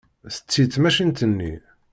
Tetti tmacint-nni.